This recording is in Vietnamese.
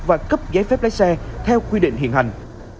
và cấp giấy phép lái xe theo quy định hiện hành